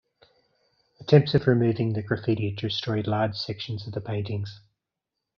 Attempts of removing the graffiti destroyed large sections of the paintings.